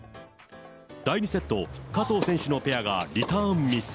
第２セット、加藤選手のペアがリターンミス。